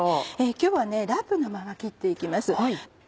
今日はラップのまま切っていきます。